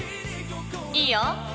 いいよ。